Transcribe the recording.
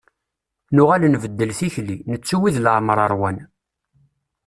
Nuɣal nbeddel tikli, nettu wid leɛmer ṛwan.